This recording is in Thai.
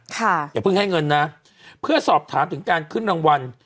อย่าเพิ่งให้เงินนะเพื่อสอบถามถึงการขึ้นรางวัล